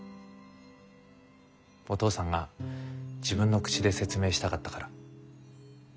お父さんが自分の口で説明したかったから。